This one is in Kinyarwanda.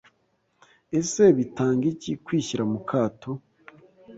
ese Bitanga iki kwishyira mukato?